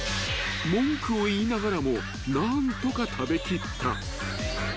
［文句を言いながらも何とか食べ切った］